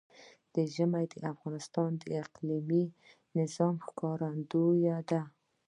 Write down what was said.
ژمی د افغانستان د اقلیمي نظام ښکارندوی ده.